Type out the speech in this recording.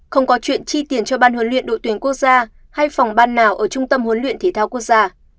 không có chuyện chi tiền cho ban huấn luyện đội tuyển quốc gia hay phòng ban nào ở trung tâm huấn luyện thể thao quốc gia